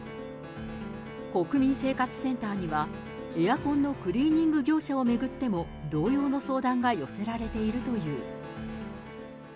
国民生活センターには、エアコンのクリーニング業者を巡っても、同様の相談が寄せられているという。